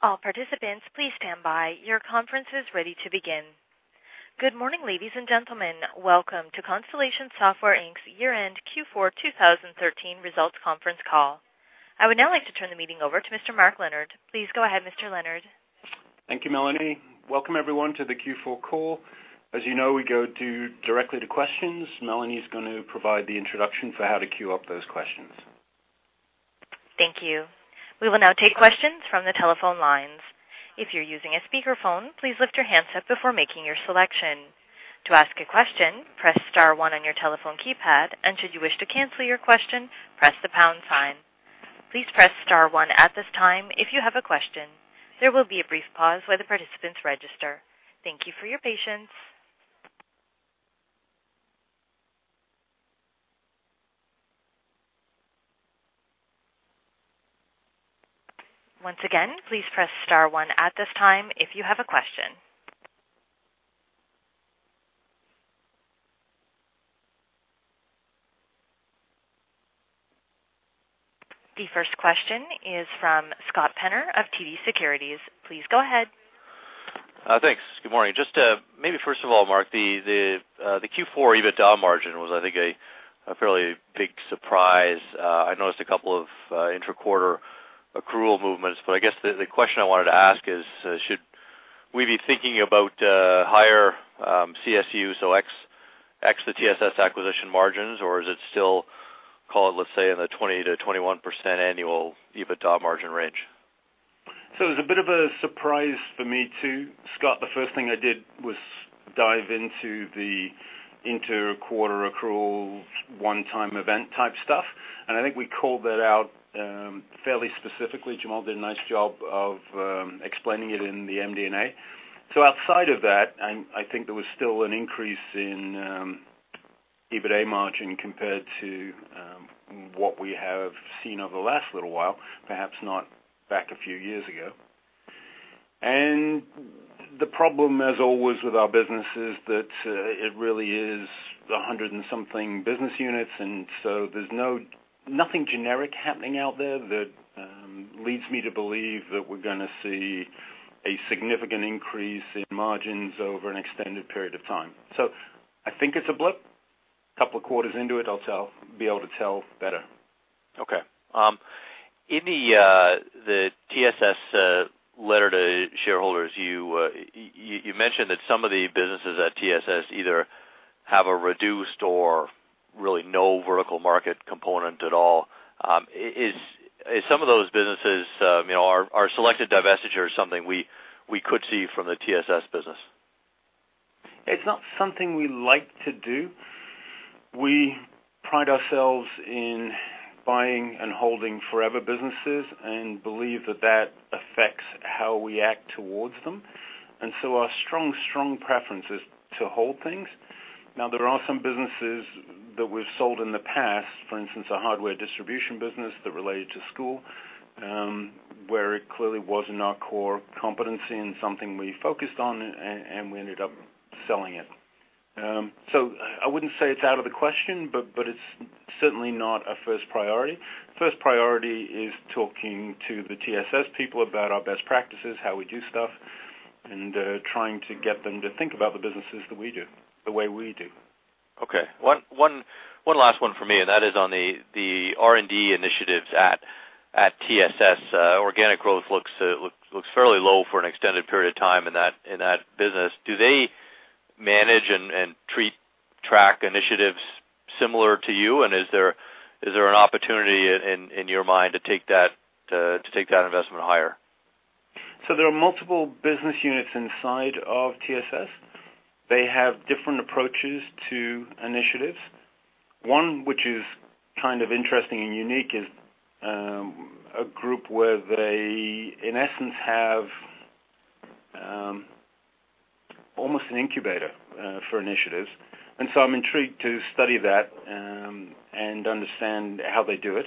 Good morning, ladies and gentlemen. Welcome to Constellation Software Inc's year-end Q4 2013 results conference call. I would now like to turn the meeting over to Mr. Mark Leonard. Please go ahead, Mr. Leonard. Thank you, Melanie. Welcome, everyone, to the Q4 call. As you know, we go directly to questions. Melanie is going to provide the introduction for how to queue up those questions. Thank you. We will now take questions from the telephone lines. If you're using a speakerphone, please lift your handset before making your selection. To ask a question, press star one on your telephone keypad, and should you wish to cancel your question, press the pound sign. Please press star one at this time if you have a question. There will be a brief pause while the participants register. Thank you for your patience. Once again, please press star one at this time if you have a question. The first question is from Scott Penner of TD Securities. Please go ahead. Thanks. Good morning. Just to maybe first of all, Mark, the Q4 EBITDA margin was, I think, a fairly big surprise. I guess the question I wanted to ask is, should we be thinking about higher CSU, so ex the TSS acquisition margins, or is it still called, let's say, in the 20%-21% annual EBITDA margin range? It was a bit of a surprise for me, too, Scott. The first thing I did was dive into the inter-quarter accrual one-time event type stuff. I think we called that out, fairly specifically. Jamal did a nice job of explaining it in the MD&A. Outside of that, I think there was still an increase in EBITA margin compared to what we have seen over the last little while, perhaps not back a few years ago. The problem, as always, with our business is that it really is a 100 and something business units, there's nothing generic happening out there that leads me to believe that we're gonna see a significant increase in margins over an extended period of time. I think it's a blip. Couple of quarters into it, I'll be able to tell better. Okay. In the TSS letter to shareholders, you mentioned that some of the businesses at TSS either have a reduced or really no vertical market component at all. Is some of those businesses, you know, are selected divestiture something we could see from the TSS business? It's not something we like to do. We pride ourselves in buying and holding forever businesses and believe that that affects how we act towards them. Our strong preference is to hold things. There are some businesses that we've sold in the past, for instance, a hardware distribution business that related to school, where it clearly wasn't our core competency and something we focused on, and we ended up selling it. I wouldn't say it's out of the question, but it's certainly not a first priority. First priority is talking to the TSS people about our best practices, how we do stuff, and trying to get them to think about the businesses that we do, the way we do. Okay. One last one for me, and that is on the R&D initiatives at TSS. Organic growth looks fairly low for an extended period of time in that business. Do they manage and treat track initiatives similar to you? Is there an opportunity in your mind to take that investment higher? There are multiple business units inside of TSS. They have different approaches to initiatives. One which is kind of interesting and unique is a group where they, in essence, have almost an incubator for initiatives. I'm intrigued to study that and understand how they do it.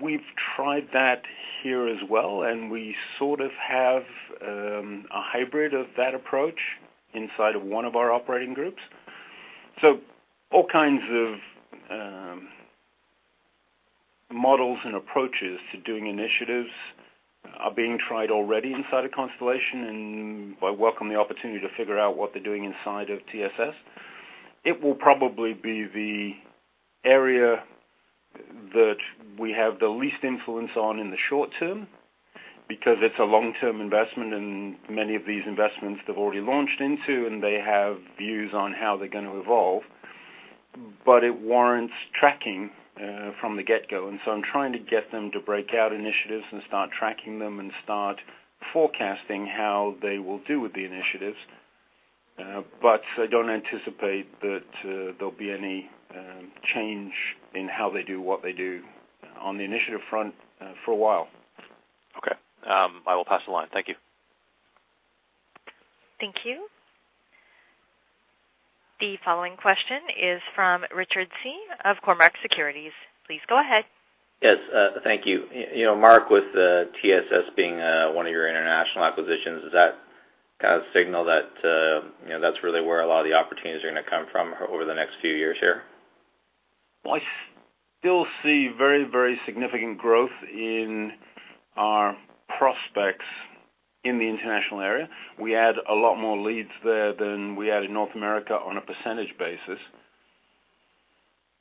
We've tried that here as well, and we sort of have a hybrid of that approach inside of one of our operating groups. All kinds of models and approaches to doing initiatives are being tried already inside of Constellation, and I welcome the opportunity to figure out what they're doing inside of TSS. It will probably be the area that we have the least influence on in the short term because it's a long-term investment, and many of these investments they've already launched into, and they have views on how they're going to evolve. It warrants tracking from the get-go. I'm trying to get them to break out initiatives and start tracking them and start forecasting how they will do with the initiatives. I don't anticipate that there'll be any change in how they do what they do on the initiative front for a while. Okay. I will pass the line. Thank you. Thank you. The following question is from Richard Tse of Cormark Securities. Please go ahead. Yes, thank you. You know, Mark, with TSS being one of your international acquisitions, does that kind of signal that, you know, that's really where a lot of the opportunities are gonna come from over the next few years here? Well, I still see very, very significant growth in our prospects in the international area. We add a lot more leads there than we had in North America on a percentage basis.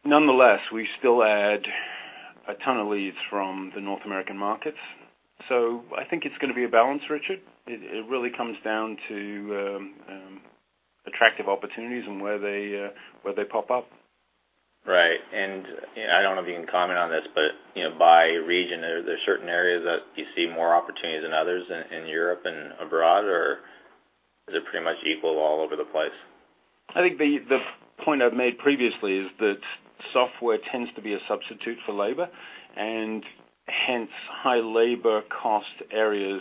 Nonetheless, we still add a ton of leads from the North American markets. I think it's going to be a balance, Richard. It really comes down to attractive opportunities and where they pop up. Right. I don't know if you can comment on this, but, you know, by region, are there certain areas that you see more opportunities than others in Europe and abroad, or is it pretty much equal all over the place? I think the point I've made previously is that software tends to be a substitute for labor, and hence, high labor cost areas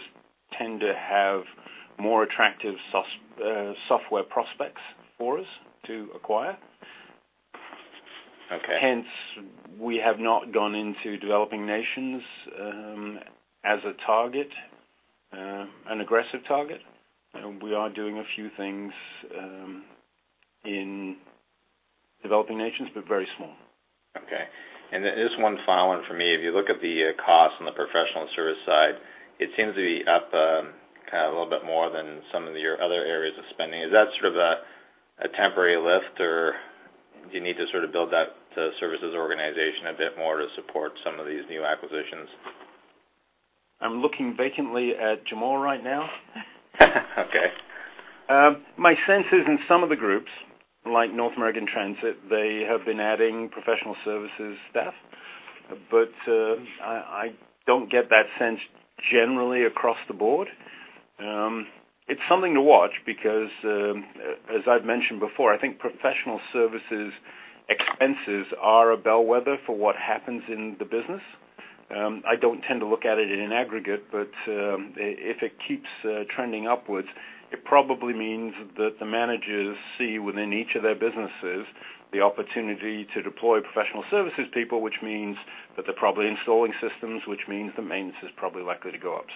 tend to have more attractive software prospects for us to acquire. Okay. Hence, we have not gone into developing nations, as a target, an aggressive target. We are doing a few things, in developing nations, but very small. Okay. Just one follow-on for me. If you look at the costs on the professional service side, it seems to be up a little bit more than some of your other areas of spending. Is that sort of a temporary lift, or do you need to sort of build that services organization a bit more to support some of these new acquisitions? I'm looking vacantly at Jamal right now. Okay. My sense is in some of the groups, like North American Transit, they have been adding professional services staff. I don't get that sense generally across the board. It's something to watch because, as I've mentioned before, I think professional services expenses are a bellwether for what happens in the business. I don't tend to look at it in an aggregate, but, if it keeps trending upwards, it probably means that the managers see within each of their businesses the opportunity to deploy professional services people, which means that they're probably installing systems, which means the maintenance is probably likely to go up.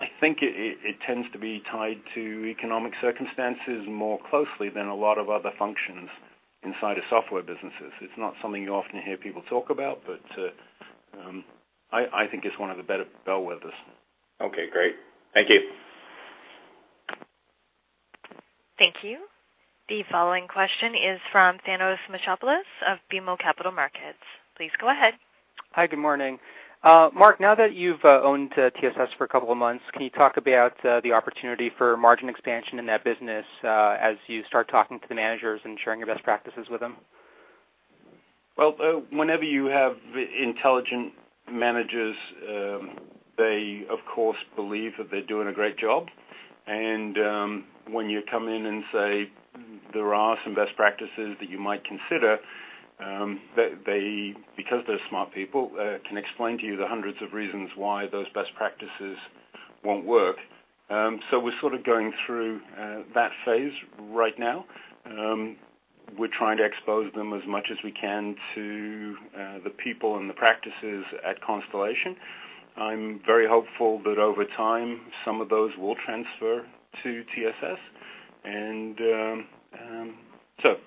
I think it tends to be tied to economic circumstances more closely than a lot of other functions inside of software businesses. It's not something you often hear people talk about, but I think it's one of the better bellwethers. Okay, great. Thank you. Thank you. The following question is from Thanos Moschopoulos of BMO Capital Markets. Please go ahead. Hi, good morning. Mark, now that you've owned TSS for a couple of months, can you talk about the opportunity for margin expansion in that business as you start talking to the managers and sharing your best practices with them? Well, whenever you have intelligent managers, they, of course, believe that they're doing a great job. When you come in and say there are some best practices that you might consider, they, because they're smart people, can explain to you the hundreds of reasons why those best practices won't work. We're sort of going through that phase right now. We're trying to expose them as much as we can to the people and the practices at Constellation. I'm very hopeful that over time, some of those will transfer to TSS.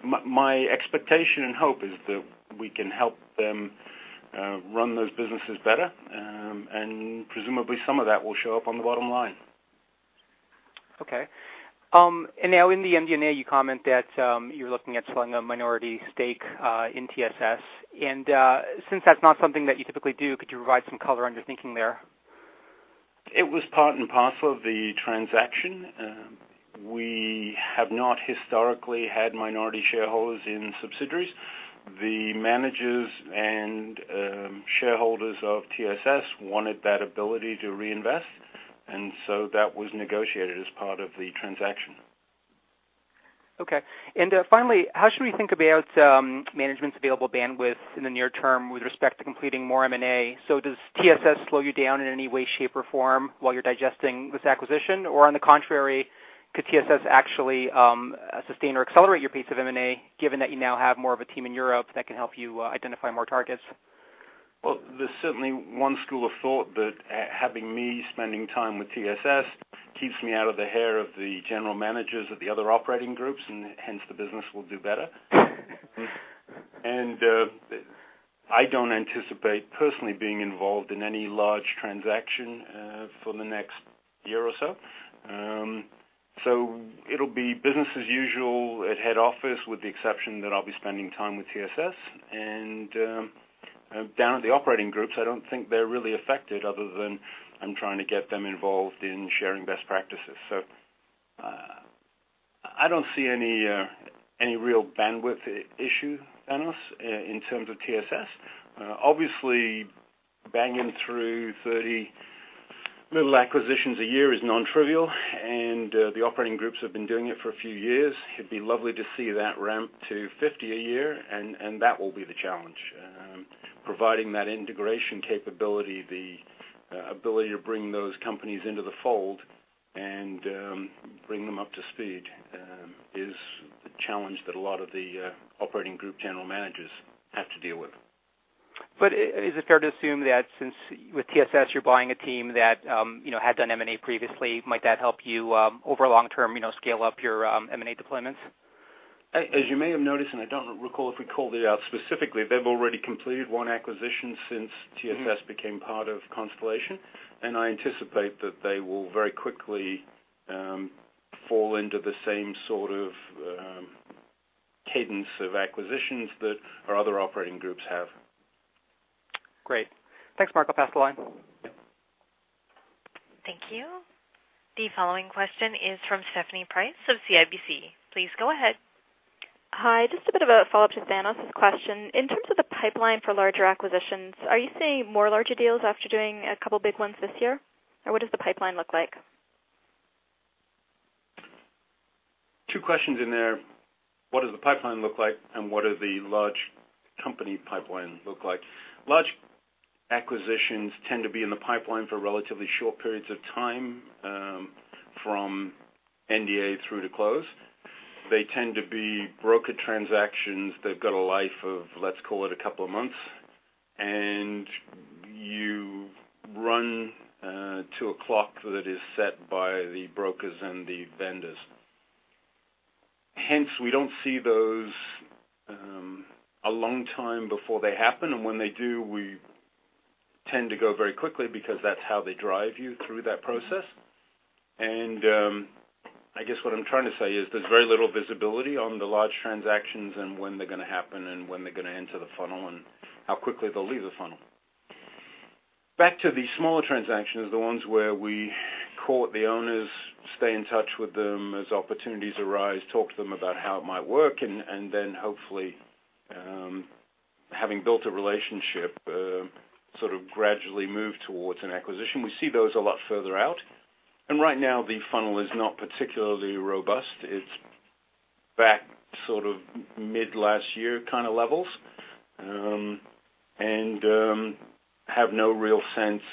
My, my expectation and hope is that we can help them run those businesses better. Presumably some of that will show up on the bottom line. Okay. Now in the MD&A, you comment that you're looking at selling a minority stake in TSS. Since that's not something that you typically do, could you provide some color on your thinking there? It was part and parcel of the transaction. We have not historically had minority shareholders in subsidiaries. The managers and shareholders of TSS wanted that ability to reinvest, and so that was negotiated as part of the transaction. Okay. Finally, how should we think about management's available bandwidth in the near term with respect to completing more M&A? Does TSS slow you down in any way, shape, or form while you're digesting this acquisition? On the contrary, could TSS actually sustain or accelerate your pace of M&A, given that you now have more of a team in Europe that can help you identify more targets? There's certainly 1 school of thought that having me spending time with TSS keeps me out of the hair of the general managers of the other operating groups, hence the business will do better. I don't anticipate personally being involved in any large transaction for the next year or so. It'll be business as usual at head office, with the exception that I'll be spending time with TSS. Down at the operating groups, I don't think they're really affected other than I'm trying to get them involved in sharing best practices. I don't see any real bandwidth issue, Thanos, in terms of TSS. Obviously, banging through 30 little acquisitions a year is non-trivial, the operating groups have been doing it for a few years. It'd be lovely to see that ramp to 50 a year, and that will be the challenge. Providing that integration capability, the ability to bring those companies into the fold and bring them up to speed, is the challenge that a lot of the operating group general managers have to deal with. Is it fair to assume that since with TSS you're buying a team that, you know, had done M&A previously, might that help you, over long-term, you know, scale up your, M&A deployments? As you may have noticed, and I don't recall if we called it out specifically, they've already completed one acquisition since TSS became part of Constellation, and I anticipate that they will very quickly fall into the same sort of cadence of acquisitions that our other operating groups have. Great. Thanks, Mark. I'll pass the line. Thank you. The following question is from Stephanie Price of CIBC. Please go ahead. Hi. Just a bit of a follow-up to Thanos' question. In terms of the pipeline for larger acquisitions, are you seeing more larger deals after doing a couple big ones this year, or what does the pipeline look like? Two questions in there. What does the pipeline look like, and what does the large company pipeline look like? Large acquisitions tend to be in the pipeline for relatively short periods of time, from NDA through to close. They tend to be broker transactions. They've got a life of, let's call it, a couple of months, and you run to a clock that is set by the brokers and the vendors. Hence, we don't see those a long time before they happen, and when they do, we tend to go very quickly because that's how they drive you through that process. I guess what I'm trying to say is there's very little visibility on the large transactions and when they're gonna happen and when they're gonna enter the funnel and how quickly they'll leave the funnel. Back to the smaller transactions, the ones where we court the owners, stay in touch with them as opportunities arise, talk to them about how it might work, and then hopefully, having built a relationship, sort of gradually move towards an acquisition. We see those a lot further out. Right now the funnel is not particularly robust. It's back sort of mid-last year kinda levels. Have no real sense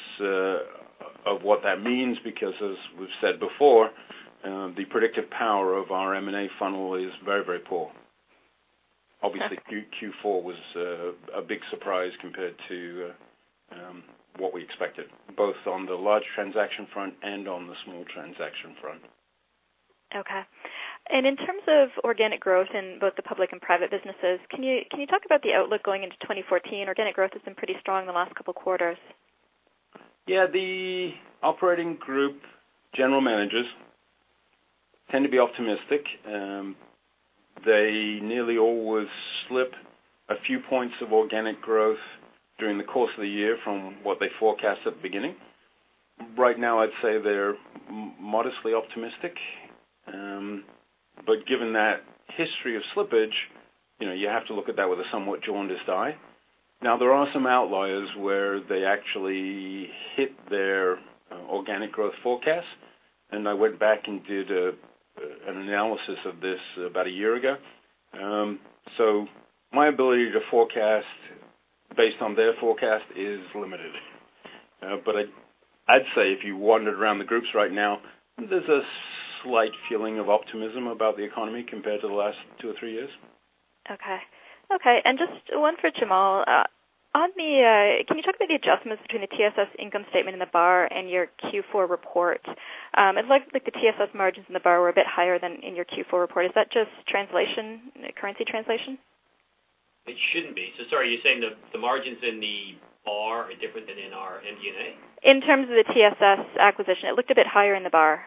of what that means because as we've said before, the predictive power of our M&A funnel is very, very poor. Obviously, Q4 was a big surprise compared to what we expected, both on the large transaction front and on the small transaction front. Okay. In terms of organic growth in both the public and private businesses, can you talk about the outlook going into 2014? Organic growth has been pretty strong in the last couple quarters. Yeah. The operating group general managers tend to be optimistic. They nearly always slip a few points of organic growth during the course of the year from what they forecast at the beginning. Right now, I'd say they're modestly optimistic. Given that history of slippage, you know, you have to look at that with a somewhat jaundiced eye. There are some outliers where they actually hit their organic growth forecast, and I went back and did an analysis of this about a year ago. My ability to forecast based on their forecast is limited. I'd say if you wandered around the groups right now, there's a slight feeling of optimism about the economy compared to the last two or three years. Okay. Okay, just one for Jamal. On the, Can you talk about the adjustments between the TSS income statement and the BAR and your Q4 report? It looks like the TSS margins in the BAR were a bit higher than in your Q4 report. Is that just translation, currency translation? It shouldn't be. Sorry, you're saying the margins in the BAR are different than in our MD&A? In terms of the TSS acquisition. It looked a bit higher in the BAR.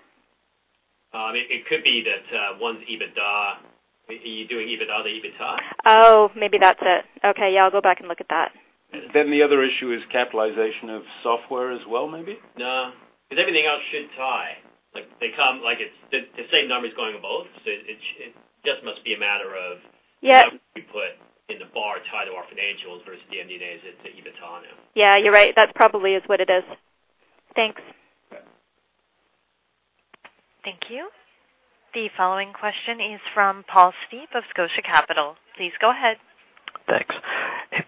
It could be that, one's EBITDA. Are you doing EBITDA to EBITA? Oh, maybe that's it. Okay. Yeah, I'll go back and look at that. The other issue is capitalization of software as well, maybe? No, 'cause everything else should tie. Like, they come Like it's the same numbers going in both, so it just must be a matter of. Yeah. how we put in the BAR tied to our financials versus the MD&A is it's EBITA now. Yeah, you're right. That probably is what it is. Thanks. Okay. Thank you. The following question is from Paul Steep of Scotia Capital. Please go ahead. Thanks.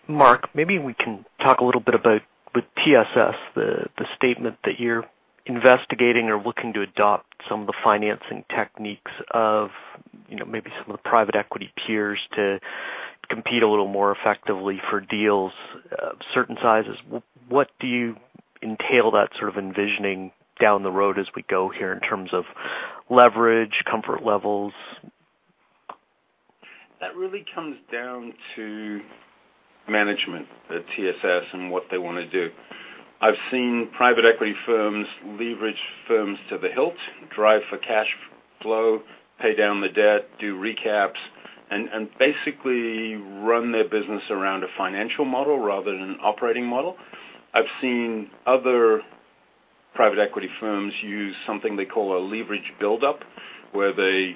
Mark, maybe we can talk a little bit about, with TSS, the statement that you're investigating or looking to adopt some of the financing techniques of, you know, maybe some of the private equity peers to compete a little more effectively for deals of certain sizes. What do you entail that sort of envisioning down the road as we go here in terms of leverage, comfort levels? That really comes down to management at TSS and what they wanna do. I've seen private equity firms leverage firms to the hilt, drive for cash flow, pay down the debt, do recaps, and basically run their business around a financial model rather than an operating model. I've seen other private equity firms use something they call a leveraged buildup, where they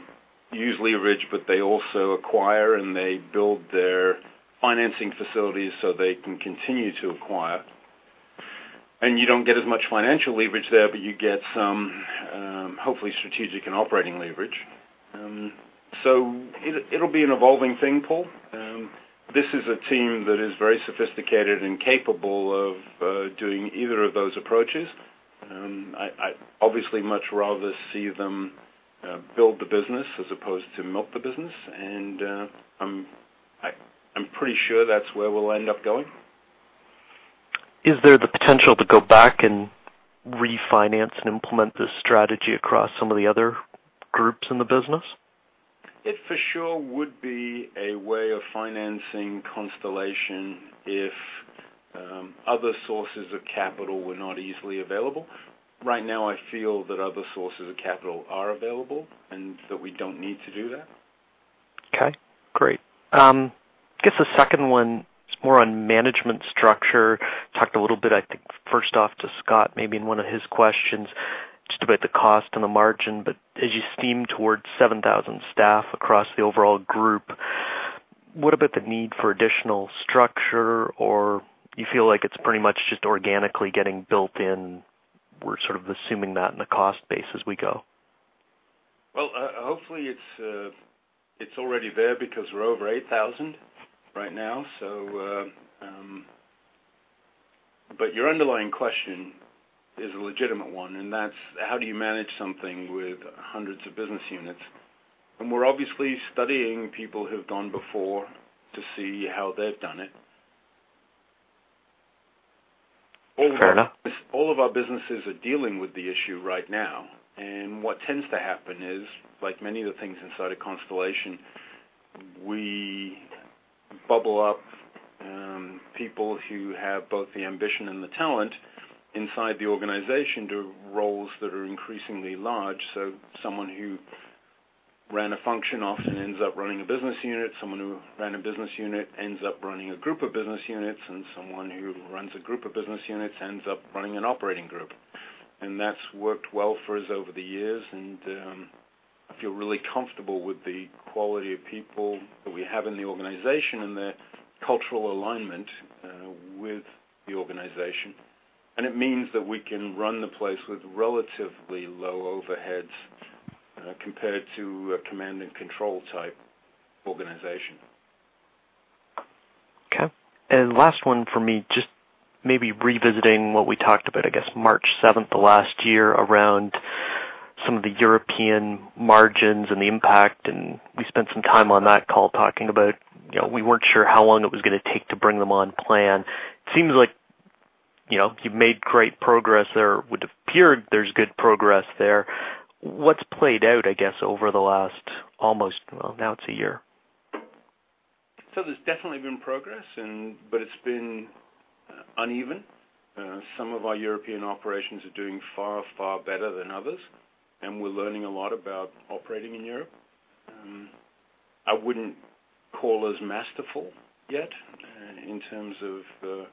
use leverage, but they also acquire, and they build their financing facilities so they can continue to acquire. You don't get as much financial leverage there, but you get some, hopefully strategic and operating leverage. It'll be an evolving thing, Paul. This is a team that is very sophisticated and capable of doing either of those approaches. I obviously much rather see them build the business as opposed to milk the business. I'm pretty sure that's where we'll end up going. Is there the potential to go back and refinance and implement this strategy across some of the other groups in the business? It for sure would be a way of financing Constellation if other sources of capital were not easily available. Right now, I feel that other sources of capital are available and that we don't need to do that. Okay, great. I guess the second one is more on management structure. Talked a little bit, I think, first off to Scott, maybe in one of his questions just about the cost and the margin. As you steam towards 7,000 staff across the overall group, what about the need for additional structure? You feel like it's pretty much just organically getting built in, we're sort of assuming that in the cost base as we go? Well, hopefully it's already there because we're over 8,000 right now. Your underlying question is a legitimate one, and that's how do you manage something with hundreds of business units? We're obviously studying people who have gone before to see how they've done it. Fair enough. All of our businesses are dealing with the issue right now. What tends to happen is, like many of the things inside of Constellation, we bubble up people who have both the ambition and the talent inside the organization to roles that are increasingly large. Someone who ran a function often ends up running a business unit. Someone who ran a business unit ends up running a group of business units. Someone who runs a group of business units ends up running an operating group. That's worked well for us over the years. I feel really comfortable with the quality of people that we have in the organization and their cultural alignment with the organization. It means that we can run the place with relatively low overheads compared to a command and control type organization. Okay. Last one for me, just maybe revisiting what we talked about, I guess March 7 of last year, around some of the European margins and the impact. We spent some time on that call talking about, you know, we weren't sure how long it was gonna take to bring them on plan. It seems like, you know, you've made great progress there. Would appear there's good progress there. What's played out, I guess, over the last almost, well, now it's a year. There's definitely been progress. It's been uneven. Some of our European operations are doing far better than others, and we're learning a lot about operating in Europe. I wouldn't call us masterful yet in terms of our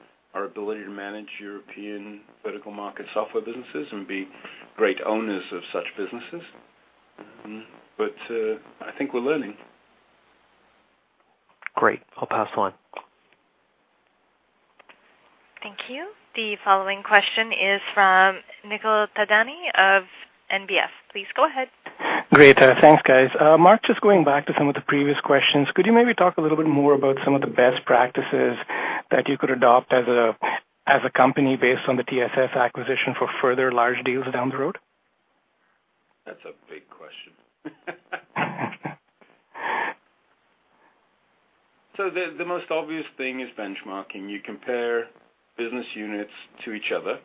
ability to manage European vertical market software businesses and be great owners of such businesses. I think we're learning. Great. I'll pass the line. Thank you. The following question is from Nikhil Thadani of NBF. Please go ahead. Great. Thanks, guys. Mark, just going back to some of the previous questions, could you maybe talk a little bit more about some of the best practices that you could adopt as a company based on the TSS acquisition for further large deals down the road? That's a big question. The most obvious thing is benchmarking. You compare business units to each other,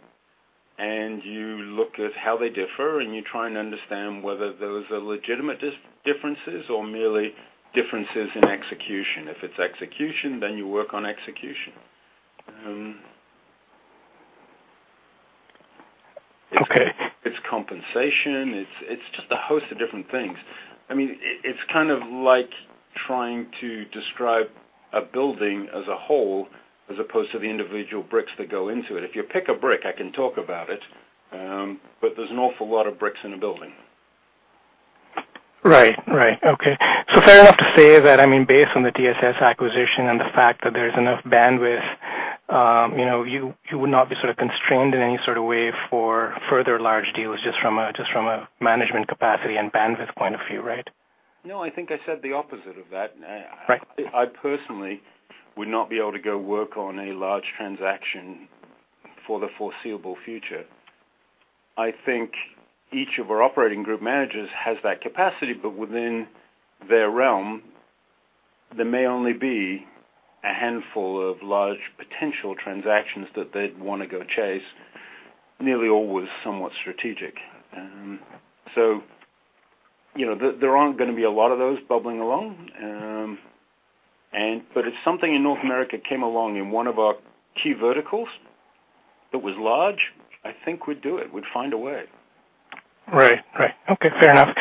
and you look at how they differ, and you try and understand whether those are legitimate differences or merely differences in execution. If it's execution, you work on execution. Okay. It's compensation. It's just a host of different things. I mean, it's kind of like trying to describe a building as a whole as opposed to the individual bricks that go into it. If you pick a brick, I can talk about it, but there's an awful lot of bricks in a building. Right. Right. Okay. Fair enough to say that, I mean, based on the TSS acquisition and the fact that there's enough bandwidth, you know, you would not be sort of constrained in any sort of way for further large deals just from a management capacity and bandwidth point of view, right? No, I think I said the opposite of that. Right. I personally would not be able to go work on a large transaction for the foreseeable future. I think each of our operating group managers has that capacity, but within their realm, there may only be a handful of large potential transactions that they'd wanna go chase, nearly always somewhat strategic. You know, there aren't gonna be a lot of those bubbling along. If something in North America came along in one of our key verticals that was large, I think we'd do it. We'd find a way. Right. Right. Okay, fair enough.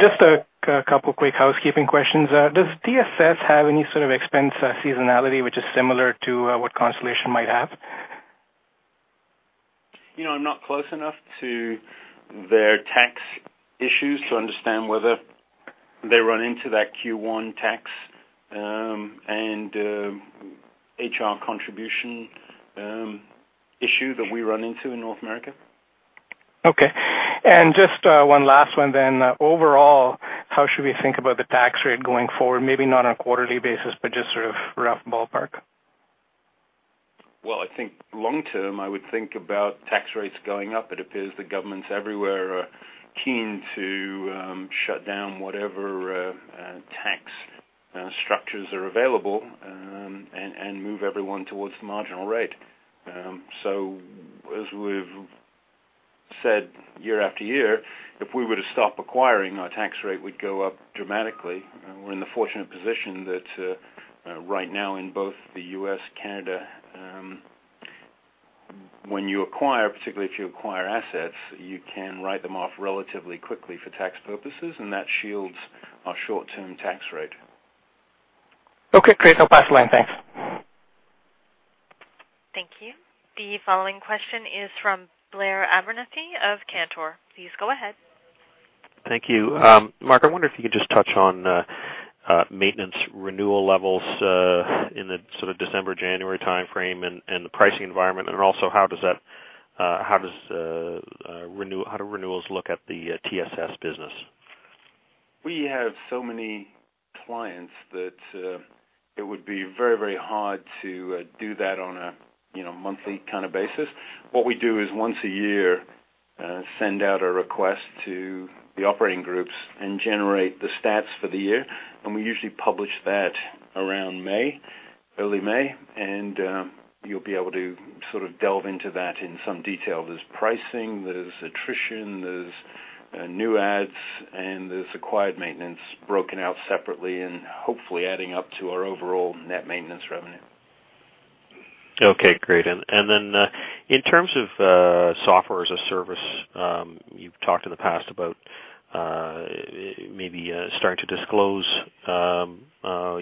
Just a couple quick housekeeping questions. Does TSS have any sort of expense seasonality which is similar to what Constellation might have? You know, I'm not close enough to their tax issues to understand whether they run into that Q1 tax, and HR contribution issue that we run into in North America. Okay. Just one last one. Overall, how should we think about the tax rate going forward? Maybe not on a quarterly basis, but just sort of rough ballpark. Well, I think long-term, I would think about tax rates going up. It appears that governments everywhere are keen to shut down whatever tax structures are available, and move everyone towards the marginal rate. As we've said year after year, if we were to stop acquiring, our tax rate would go up dramatically. We're in the fortunate position that right now in both the U.S., Canada, when you acquire, particularly if you acquire assets, you can write them off relatively quickly for tax purposes, and that shields our short-term tax rate. Okay, great. No, pass the line. Thanks. Thank you. The following question is from Blair Abernethy of Cantor. Please go ahead. Thank you. Mark, I wonder if you could just touch on maintenance renewal levels in the sort of December, January timeframe and the pricing environment. Also, how does that, how does renewals look at the TSS business? We have so many clients that it would be very, very hard to do that on a, you know, monthly kind of basis. What we do is once a year, send out a request to the operating groups and generate the stats for the year. We usually publish that around May, early May. You'll be able to sort of delve into that in some detail. There's pricing, there's attrition, there's new adds, and there's acquired maintenance broken out separately and hopefully adding up to our overall net maintenance revenue. Okay, great. Then, in terms of Software as a Service, you've talked in the past about maybe starting to disclose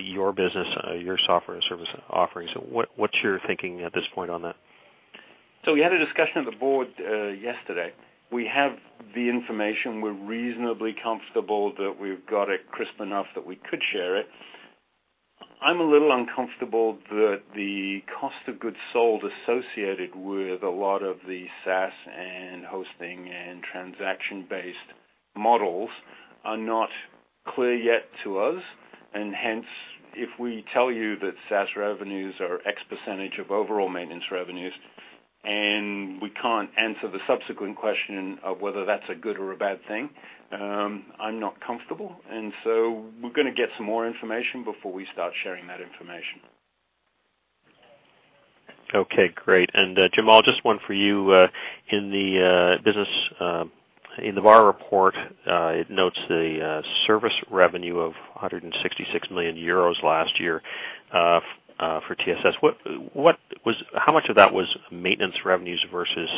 your business, your Software as a Service offerings. What's your thinking at this point on that? We had a discussion at the board yesterday. We have the information. We're reasonably comfortable that we've got it crisp enough that we could share it. I'm a little uncomfortable that the cost of goods sold associated with a lot of the SaaS and hosting and transaction-based models are not clear yet to us. Hence, if we tell you that SaaS revenues are X% of overall maintenance revenues, and we can't answer the subsequent question of whether that's a good or a bad thing, I'm not comfortable. We're gonna get some more information before we start sharing that information. Okay, great. Jamal, just one for you. In the Business Acquisition Report, it notes the service revenue of 166 million euros last year for TSS. How much of that was maintenance revenues versus,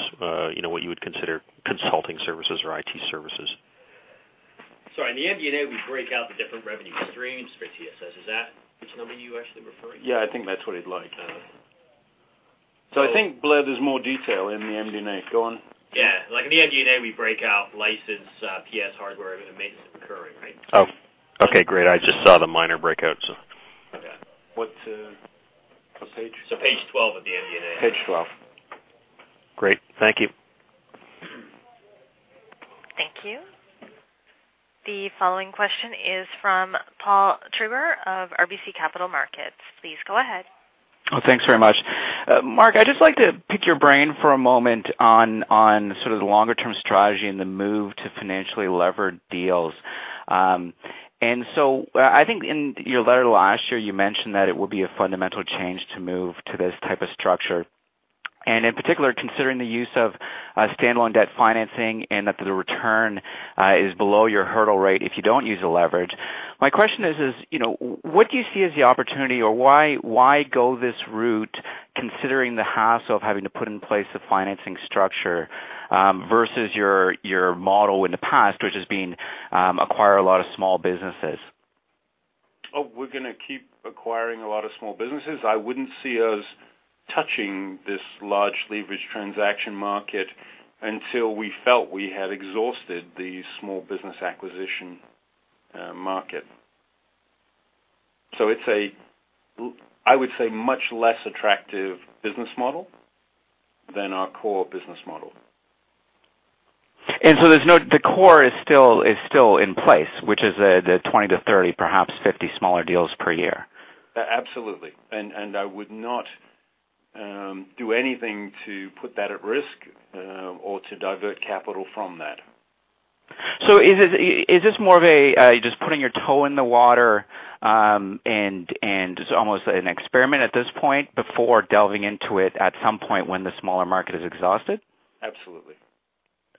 you know, what you would consider consulting services or IT services? Sorry. In the MD&A, we break out the different revenue streams for TSS. Is that which number you actually referring to? Yeah, I think that's what he'd like. I think, Blair, there's more detail in the MD&A. Go on. Yeah. Like in the MD&A, we break out license, PS hardware and maintenance and recurring, right? Oh, okay, great. I just saw the minor breakouts. Okay. What, what page? Page 12 of the MD&A. Page 12. Great. Thank you. Thank you. The following question is from Paul Treiber of RBC Capital Markets. Please go ahead. Thanks very much. Mark, I'd just like to pick your brain for a moment on sort of the longer term strategy and the move to financially levered deals. I think in your letter last year, you mentioned that it would be a fundamental change to move to this type of structure. In particular, considering the use of standalone debt financing and that the return is below your hurdle rate if you don't use the leverage. My question is, you know, what do you see as the opportunity, or why go this route considering the hassle of having to put in place a financing structure versus your model in the past, which has been acquire a lot of small businesses? We're gonna keep acquiring a lot of small businesses. I wouldn't see us touching this large leverage transaction market until we felt we had exhausted the small business acquisition market. It's a, I would say, much less attractive business model than our core business model. There's the core is still in place, which is the 20 to 30, perhaps 50 smaller deals per year. Absolutely. I would not do anything to put that at risk or to divert capital from that. Is this more of a just putting your toe in the water and it's almost an experiment at this point before delving into it at some point when the smaller market is exhausted? Absolutely.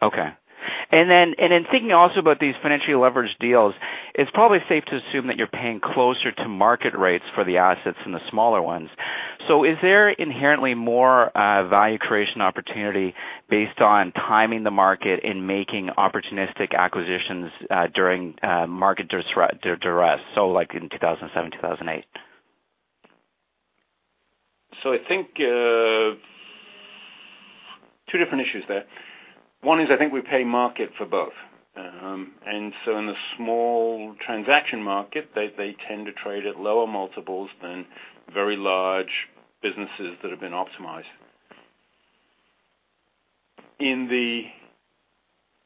Okay. In thinking also about these financially leveraged deals, it's probably safe to assume that you're paying closer to market rates for the assets than the smaller ones. Is there inherently more value creation opportunity based on timing the market and making opportunistic acquisitions during market duress, like in 2007 and 2008? I think two different issues there. One is I think we pay market for both. In the small transaction market, they tend to trade at lower multiples than very large businesses that have been optimized. In the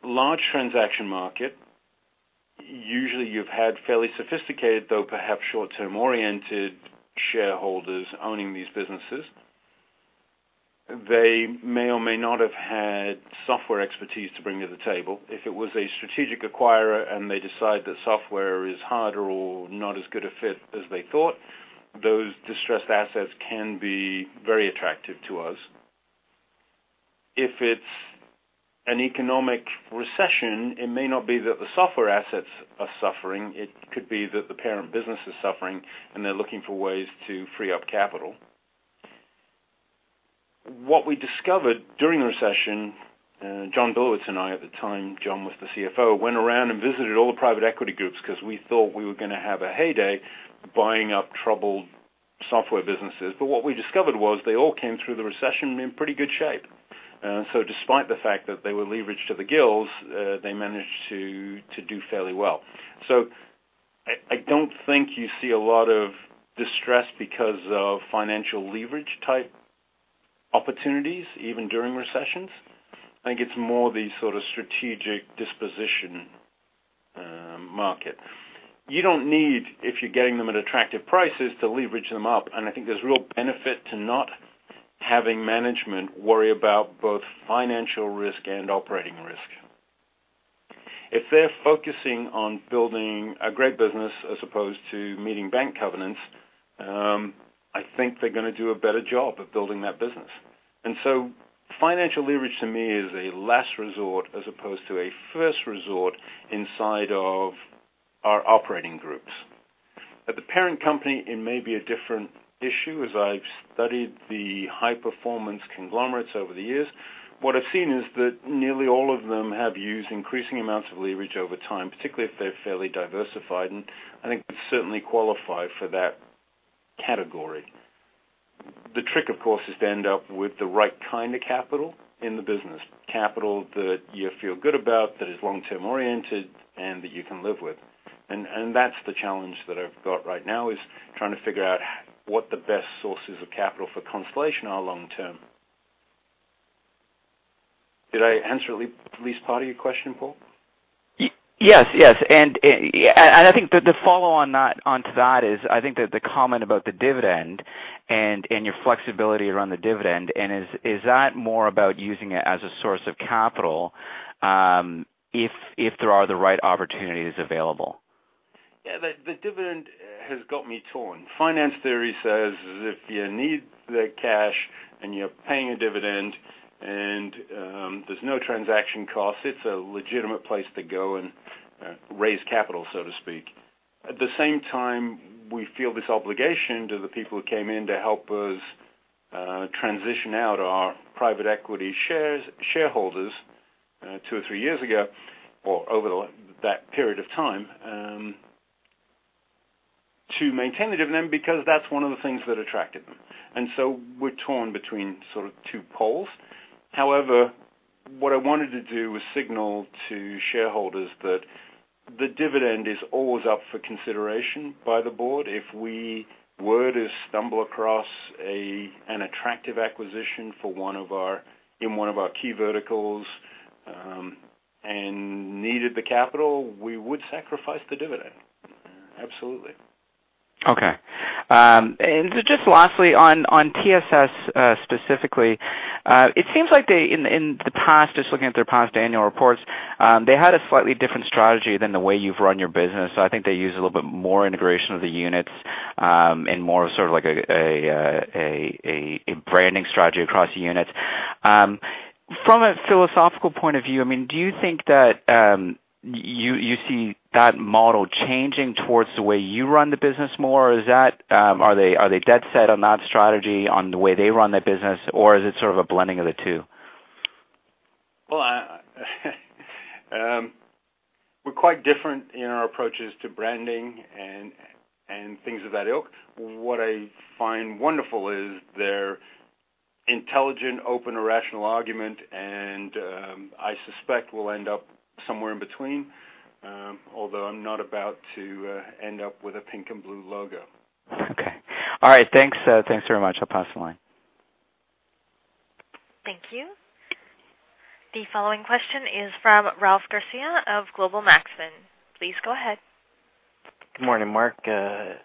large transaction market, usually you've had fairly sophisticated, though perhaps short-term oriented shareholders owning these businesses. They may or may not have had software expertise to bring to the table. If it was a strategic acquirer and they decide that software is harder or not as good a fit as they thought, those distressed assets can be very attractive to us. If it's an economic recession, it may not be that the software assets are suffering. It could be that the parent business is suffering, and they're looking for ways to free up capital. What we discovered during the recession, John Billowits and I at the time, John was the CFO, went around and visited all the private equity groups 'cause we thought we were gonna have a heyday buying up troubled software businesses. What we discovered was they all came through the recession in pretty good shape. Despite the fact that they were leveraged to the gills, they managed to do fairly well. I don't think you see a lot of distress because of financial leverage type opportunities even during recessions. I think it's more the sort of strategic disposition market. You don't need, if you're getting them at attractive prices, to leverage them up. I think there's real benefit to not having management worry about both financial risk and operating risk. If they're focusing on building a great business as opposed to meeting bank covenants, I think they're gonna do a better job of building that business. Financial leverage to me is a last resort as opposed to a first resort inside of our operating groups. At the parent company, it may be a different issue. As I've studied the high performance conglomerates over the years, what I've seen is that nearly all of them have used increasing amounts of leverage over time, particularly if they're fairly diversified, and I think we certainly qualify for that category. The trick, of course, is to end up with the right kind of capital in the business. Capital that you feel good about, that is long-term oriented, and that you can live with. That's the challenge that I've got right now, is trying to figure out what the best sources of capital for Constellation are long-term. Did I answer at least part of your question, Paul? Yes. Yes. I think the follow onto that is I think that the comment about the dividend and your flexibility around the dividend, is that more about using it as a source of capital, if there are the right opportunities available? Yeah. The dividend has got me torn. Finance theory says if you need the cash and you're paying a dividend and there's no transaction cost, it's a legitimate place to go and raise capital, so to speak. At the same time, we feel this obligation to the people who came in to help us transition out our private equity shareholders, two or three years ago or over that period of time, to maintain the dividend because that's one of the things that attracted them. We're torn between sort of two poles. However, what I wanted to do was signal to shareholders that the dividend is always up for consideration by the Board. If we were to stumble across an attractive acquisition in one of our key verticals, and needed the capital, we would sacrifice the dividend. Absolutely. Okay. Just lastly, on TSS, specifically, it seems like they, in the past, just looking at their past annual reports, they had a slightly different strategy than the way you've run your business. I think they use a little bit more integration of the units, and more of sort of like a branding strategy across the units. From a philosophical point of view, I mean, do you think that you see that model changing towards the way you run the business more? Are they dead set on that strategy on the way they run their business, or is it sort of a blending of the two? Well, I, we're quite different in our approaches to branding and things of that ilk. What I find wonderful is their intelligent, open, rational argument, I suspect we'll end up somewhere in between, although I'm not about to end up with a pink and blue logo. Okay. All right. Thanks, thanks very much. I'll pass the line. Thank you. The following question is from Ralph Garcea of Global Maxfin. Please go ahead. Good morning, Mark. I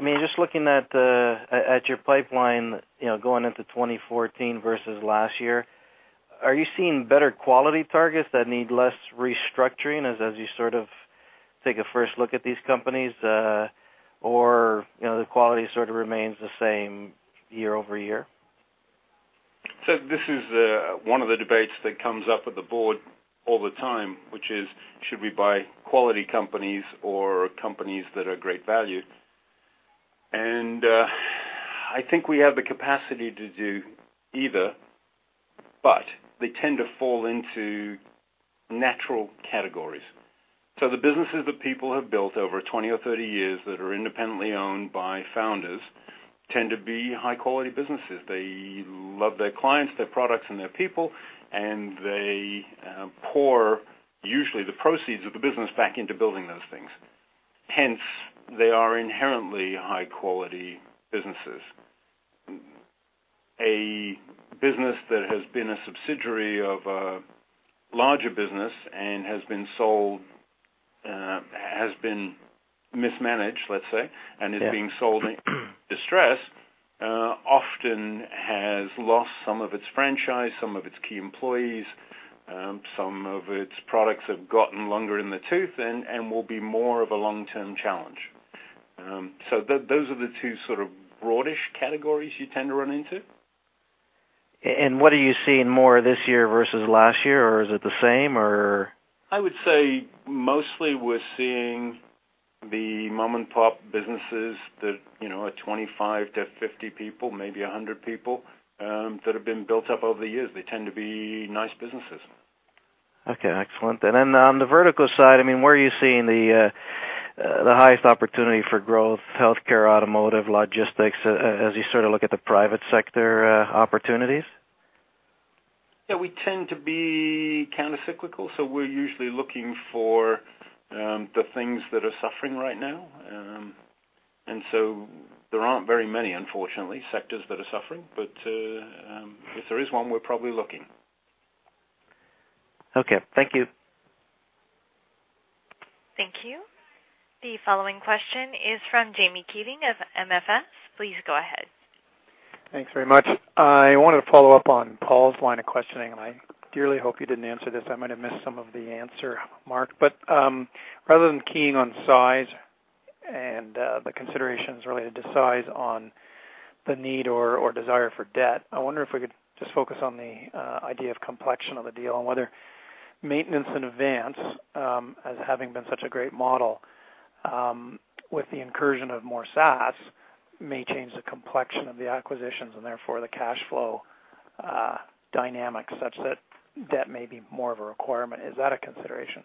mean, just looking at your pipeline, you know, going into 2014 versus last year, are you seeing better quality targets that need less restructuring as you sort of take a first look at these companies, or, you know, the quality sort of remains the same year-over-year? This is one of the debates that comes up with the Board all the time, which is should we buy quality companies or companies that are great value? I think we have the capacity to do either, but they tend to fall into natural categories. The businesses that people have built over 20 or 30 years that are independently owned by founders tend to be high quality businesses. They love their clients, their products, and their people, and they pour usually the proceeds of the business back into building those things. Hence, they are inherently high quality businesses. A business that has been a subsidiary of a larger business and has been sold, has been mismanaged, let's say. Yeah Is being sold in distress, often has lost some of its franchise, some of its key employees, some of its products have gotten longer in the tooth and will be more of a long-term challenge. Those are the two sort of broad-ish categories you tend to run into. What are you seeing more this year versus last year, or is it the same, or? I would say mostly we're seeing the mom-and-pop businesses that, you know, are 25 to 50 people, maybe 100 people, that have been built up over the years. They tend to be nice businesses. Okay. Excellent. Then on the vertical side, I mean, where are you seeing the highest opportunity for growth, healthcare, automotive, logistics, as you sort of look at the private sector opportunities? Yeah, we tend to be countercyclical, so we're usually looking for the things that are suffering right now. There aren't very many, unfortunately, sectors that are suffering. If there is one, we're probably looking. Okay. Thank you. Thank you. The following question is from James Keating of MFS. Please go ahead. Thanks very much. I wanted to follow up on Paul's line of questioning, and I dearly hope you didn't answer this. I might have missed some of the answer, Mark. Rather than keying on size and the considerations related to size on the need or desire for debt, I wonder if we could just focus on the idea of complexion of the deal and whether maintenance in advance, as having been such a great model, with the incursion of more SaaS may change the complexion of the acquisitions and therefore the cash flow dynamics such that debt may be more of a requirement. Is that a consideration?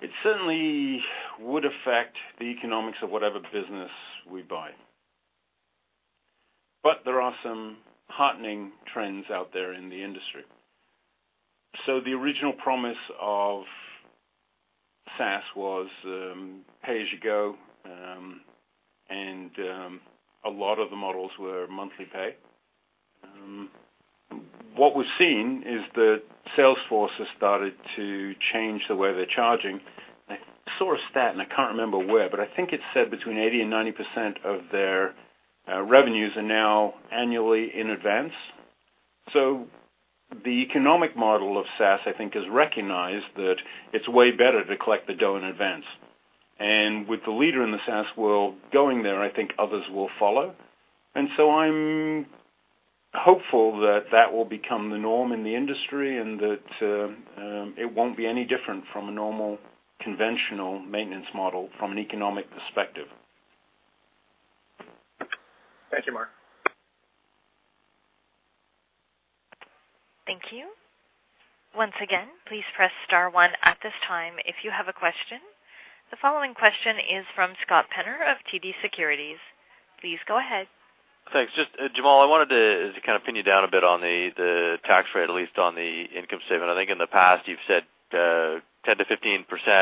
It certainly would affect the economics of whatever business we buy. There are some heartening trends out there in the industry. The original promise of SaaS was, pay as you go, and a lot of the models were monthly pay. What we've seen is that Salesforce has started to change the way they're charging. I saw a stat, and I can't remember where, but I think it said between 80% and 90% of their revenues are now annually in advance. The economic model of SaaS, I think, has recognized that it's way better to collect the dough in advance. With the leader in the SaaS world going there, I think others will follow. I'm hopeful that that will become the norm in the industry and that it won't be any different from a normal conventional maintenance model from an economic perspective. Thank you, Mark. Thank you. Once again, please press star one at this time if you have a question. The following question is from Scott Penner of TD Securities. Please go ahead. Thanks. Just, Jamal, I wanted to kind of pin you down a bit on the tax rate, at least on the income statement. I think in the past you've said, 10% to 15%,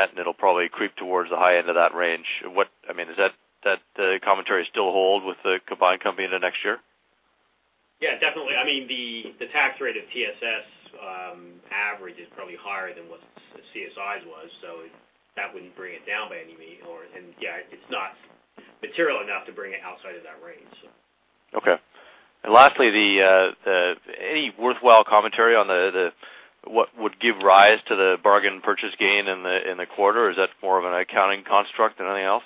and it'll probably creep towards the high end of that range. I mean, does that commentary still hold with the combined company into next year? Yeah, definitely. I mean, the tax rate of TSS average is probably higher than what CSI's was. That wouldn't bring it down by any means. Yeah, it's not material enough to bring it outside of that range. Okay. Lastly, any worthwhile commentary on what would give rise to the bargain purchase gain in the quarter, or is that more of an accounting construct than anything else?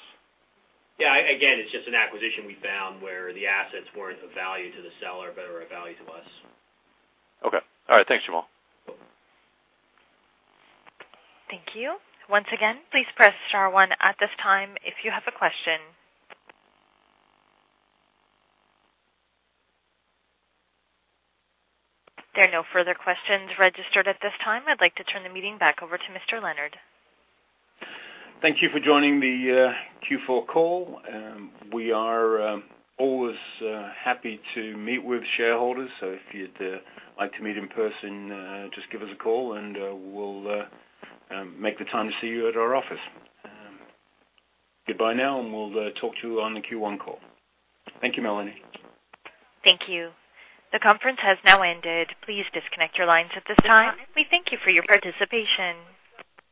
Yeah. Again, it's just an acquisition we found where the assets weren't of value to the seller but are of value to us. Okay. All right. Thanks, Jamal. Yep. Thank you. Once again, please press star one at this time if you have a question. There are no further questions registered at this time. I'd like to turn the meeting back over to Mr. Leonard. Thank you for joining the Q4 call. We are always happy to meet with shareholders, so if you'd like to meet in person, just give us a call, and we'll make the time to see you at our office. Goodbye now, and we'll talk to you on the Q1 call. Thank you, Melanie. Thank you. The conference has now ended. Please disconnect your lines at this time. We thank you for your participation.